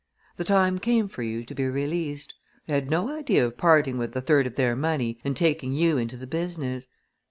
"The time came for you to be released. They had no idea of parting with a third of their money and taking you into the business.